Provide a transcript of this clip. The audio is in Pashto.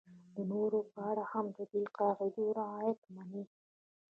د نورو په اړه هم د دې قاعدو رعایت ومني.